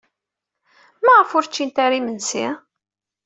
Maɣef ur ččint ara imensi?